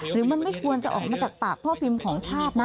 หรือมันไม่ควรจะออกมาจากปากพ่อพิมพ์ของชาตินะ